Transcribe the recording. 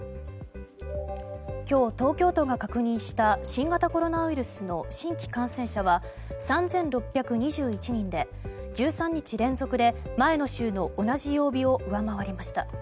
今日、東京都が確認した新型コロナウイルスの新規感染者は３６２１人で１３日連続で前の週の同じ曜日を上回りました。